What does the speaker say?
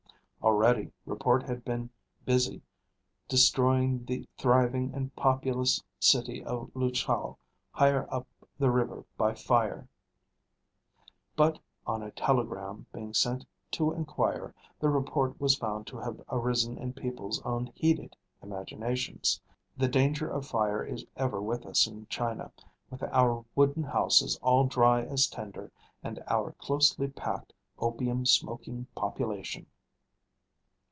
Already report had been busy destroying the thriving and populous city of Luchou higher up the river by fire; but on a telegram being sent to inquire, the report was found to have arisen in people's own heated imaginations. The danger of fire is ever with us in China, with our wooden houses all dry as tinder and our closely packed opium smoking population.